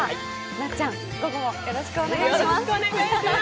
なっちゃん、午後もよろしくお願いします。